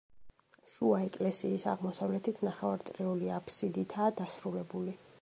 შუა ეკლესიის აღმოსავლეთით, ნახევარწრიული აფსიდითაა დასრულებული.